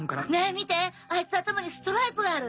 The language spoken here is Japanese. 見てあいつ頭にストライプがある。